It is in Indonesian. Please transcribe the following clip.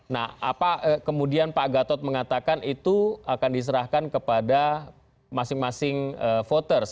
nah apa kemudian pak gatot mengatakan itu akan diserahkan kepada masing masing voters